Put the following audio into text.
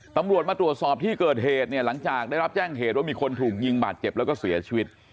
ตำรวจมาตรวจสอบที่เกิดเหตุเนี่ยหลังจากได้รับแจ้งเหตุว่ามีคนถูกยิงบาดเจ็บแล้วก็เสียชีวิต